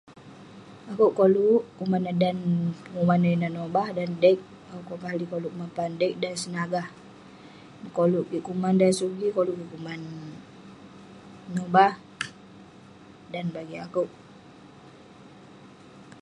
Akouk koluk kuman eh dan penguman ineh nobah, dan deg akouk juk koluk kuman pan deg dan senagah koluk kik kuman. Dan eh sugi koluk kik kuman nobah. Dan bagik akouk.